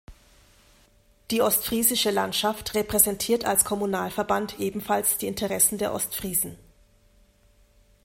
Die Ostfriesische Landschaft repräsentiert als Kommunalverband ebenfalls die Interessen der Ostfriesen.